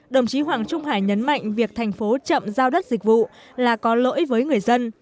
đồng chí hoàng trung hải nhấn mạnh việc thành phố chậm giao đất dịch vụ là có lỗi với người dân